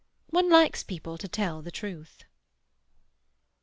One likes people to tell the truth."